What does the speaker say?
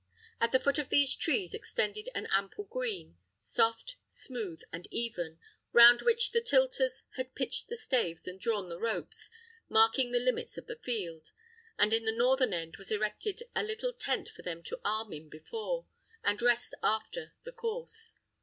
At the foot of these trees extended an ample green, soft, smooth, and even, round which the tilters had pitched the staves and drawn the ropes, marking the limits of the field; and at the northern end was erected a little tent for them to arm in before, and rest after, the course.